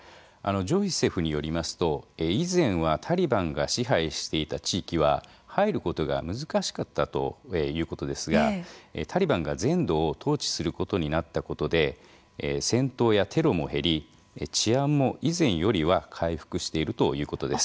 ジョイセフによりますと以前はタリバンが支配していた地域は入ることが難しかったということですがタリバンが全土を統治することになったことで戦闘やテロも減り治安も以前よりは回復しているということです。